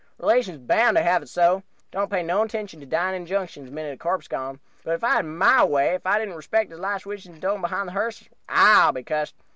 Relations bound to have it so don't pay no attention to dying injunctions, minute a corpse's gone; but, if I had my way, if I didn't respect his last wishes and tow him behind the hearse I'll be cuss'd.